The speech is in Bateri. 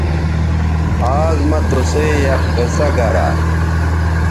آز مہ تُسئ یک قصہ گرا